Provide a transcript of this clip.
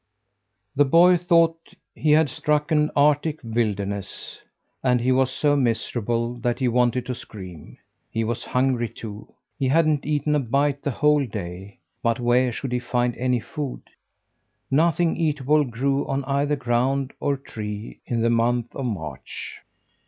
The boy thought he had struck an arctic wilderness, and he was so miserable that he wanted to scream. He was hungry too. He hadn't eaten a bite the whole day. But where should he find any food? Nothing eatable grew on either ground or tree in the month of March.